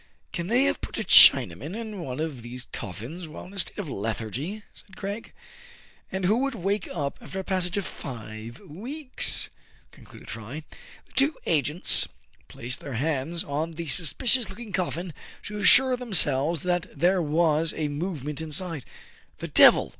" Can they have put a Chinaman in one of these coffins while in a state of lethargy "— said Craig. *' And who would wake up after a passage of five weeks t " concluded Fry. The two agents placed their hands on the srs picious looking coffin, to assure themselves that there was a movement inside. *'The devil